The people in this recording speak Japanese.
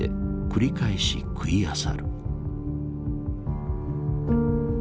繰り返し食いあさる。